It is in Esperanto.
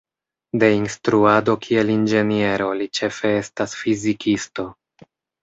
De instruado kiel inĝeniero, li ĉefe estas fizikisto.